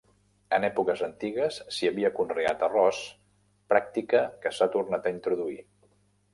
En èpoques antigues, s'hi havia conreat arròs, pràctica que s'ha tornat a introduir.